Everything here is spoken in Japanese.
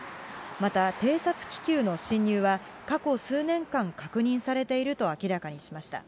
また偵察気球の侵入は、過去数年間確認されていると明らかにしました。